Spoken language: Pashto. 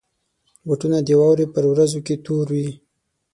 بوټونه د واورې پر ورځو کې تور وي.